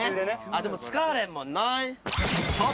でも使われへんもんな。